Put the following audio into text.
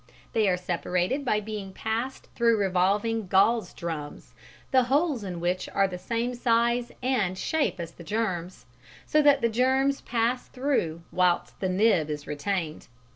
They are separated by being passed through revolving gauze drums, the holes in which are the same size and shape as the germs, so that the germs pass through whilst the nib is retained.